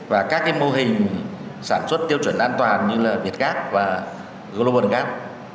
và các mô hình sản xuất tiêu chuẩn an toàn như là việt gác và global gap